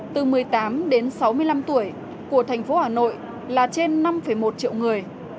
từ một mươi tám đến sáu mươi năm tuổi của thành phố hà nội là trên năm một triệu người